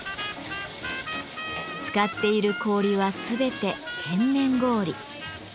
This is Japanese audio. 使っている氷は全て天然氷。